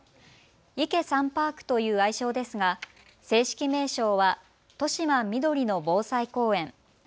イケ・サンパークという愛称ですが正式名称はとしまみどりの防災公園。